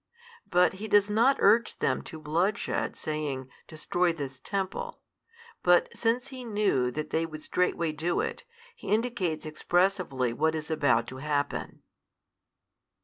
But He does not urge them to bloodshed saying, Destroy this Temple, but since He knew that they would straightway do it, He indicates expressively what is about to happen.